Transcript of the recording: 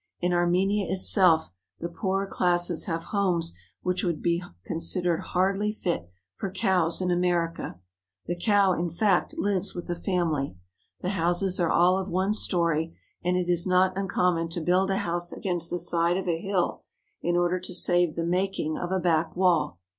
In Armenia itself the poorer classes have homes which would be considered hardly fit for cows in America. The cow, in fact, lives with the family. The houses 276 ARMENIA, THE SUFFERING are all of one story, and it is not uncommon to build a house against the side of a hill in order to save the making of a back wall.